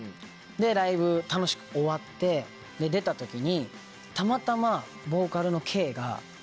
でライブ楽しく終わって出た時にたまたまボーカルの。